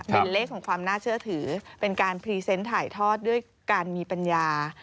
เป็นเลขของความน่าเชื่อถือเป็นการพรีเซนต์ถ่ายทอดด้วยการมีปัญญา